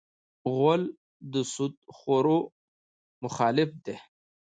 غول د سودي خوړو مخالف دی.